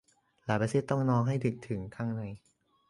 หลายประเทศ จะต้องมองให้ลึกถึงข้างใน